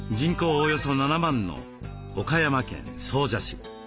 およそ７万の岡山県総社市。